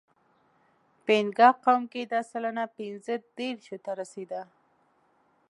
په اینګا قوم کې دا سلنه پینځهدېرشو ته رسېده.